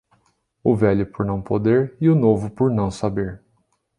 o velho por não poder e o novo por não saber